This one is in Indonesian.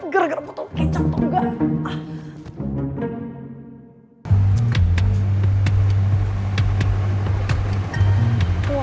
gergerepotan kecap tongga